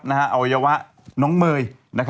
อวัยวะน้องเมย์